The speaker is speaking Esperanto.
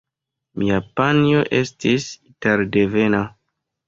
Mia panjo estis italdevena.